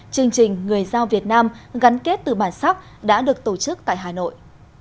chương trình người giao việt nam gắn kết từ bản sắc đã được tổ chức tại hà nội